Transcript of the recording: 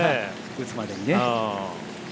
打つまでにね。